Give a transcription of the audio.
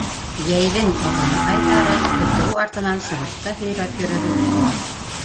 Йәйҙең оҙон айҙары көтөү артынан сыбыртҡы һөйрәп йөрөп үтте.